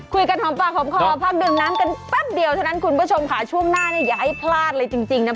คุยกันหอมฝากหอมคอพักดื่มน้ำกันแป๊บเดียวฉะนั้นคุณผู้ชมค่ะช่วงหน้าเนี้ยอย่าให้พลาดอะไรจริงจริงนะ